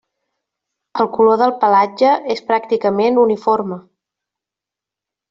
El color del pelatge és pràcticament uniforme.